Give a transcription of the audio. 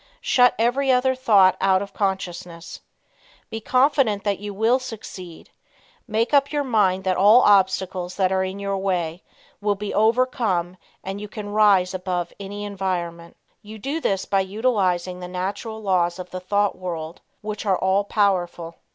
Shut every other thought out of consciousness. Be confident that you will succeed; make up your mind that all obstacles that are in your way will be overcome and you can rise above any environment. You do this by utilizing the natural laws of the thought world which are all powerful.